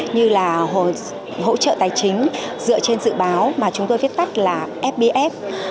như là hỗ trợ tài chính dựa trên dự báo mà chúng tôi viết tắt là fbf